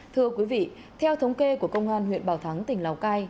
thưa quý vị theo thống kê của công an huyện bảo thắng tỉnh lào cai